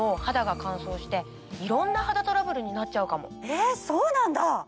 えっそうなんだ！